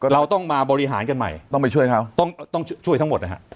เราต้องมาบริหารกันใหม่ต้องช่วยทั้งหมดนะฮะ